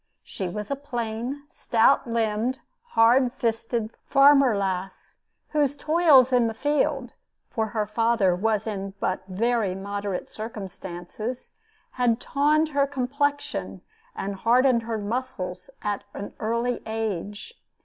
She was a plain, stout limbed, hard fisted farmer lass, whose toils in the field for her father was in but very moderate circumstances had tawned her complexion and hardened her muscles, at an early age.